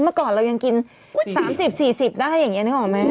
เมื่อก่อนเรายังกิน๓๐๔๐ได้อย่างนี้นึกออกไหม